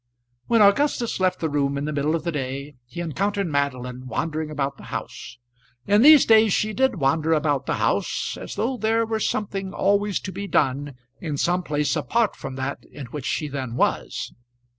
When Augustus left the room in the middle of the day he encountered Madeline wandering about the house. In these days she did wander about the house, as though there were something always to be done in some place apart from that in which she then was.